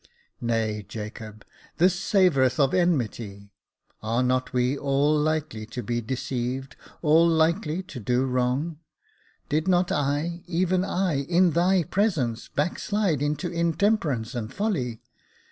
*' Nay, Jacob, this savoureth of enmity. Are not we all likely to be deceived — all likely to do wrong ? Did not I, even I, in thy presence, backslide into intemperance and folly